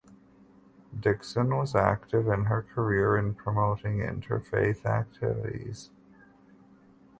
Dickson was active in her career in promoting interfaith activities.